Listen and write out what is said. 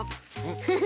フフフ。